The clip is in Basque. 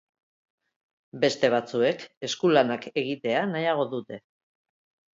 Beste batzuek eskulanak egitea nahiago dute.